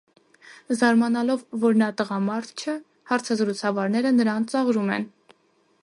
Զարմանալով, որ նա տղամարդ չէ՝ հարցազրուցավարները նրան ծաղրում են։